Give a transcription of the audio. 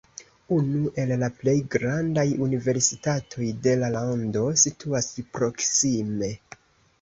Unu el la plej grandaj universitatoj de la lando situas proksime.